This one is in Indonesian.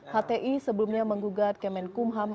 hti sebelumnya menggugat kemenkumham